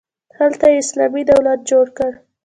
هلته یې اسلامي دولت جوړ کړ.